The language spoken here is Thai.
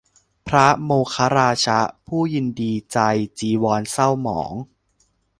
พระโมฆราชะ ผู้ยินดีใจจีวรเศร้าหมอง